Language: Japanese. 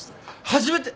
初めて！？